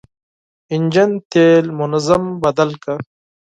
انجن تېل منظم بدل کړه.